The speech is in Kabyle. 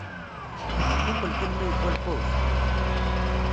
Muqqel kan ma yewwa lqut?